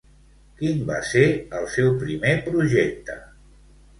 Quin va ser el seu primer projecte?